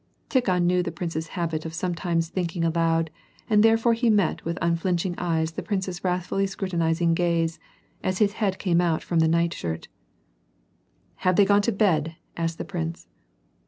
Tikhon knew the prince's habit of sometimes thinking aloud, and therefore he met with unflinching eyes the prince's wrathfully scrutinizing gaze, as his head came out from the night shii t. " Have they gone to bed ?" asked the prince.